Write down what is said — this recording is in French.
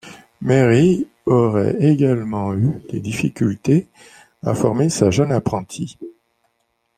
Mary aurait également eu des difficultés à former sa jeune apprentie.